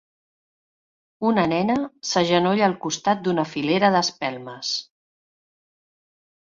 Una nena s'agenolla al costat d'una filera d'espelmes.